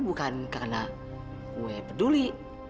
bukan karena gue peduli